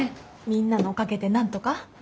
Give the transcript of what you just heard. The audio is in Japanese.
みんなのおかげでなんとか。